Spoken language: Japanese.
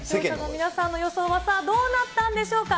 皆さんの予想はどうなったんでしょうか。